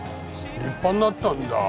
立派になったんだ。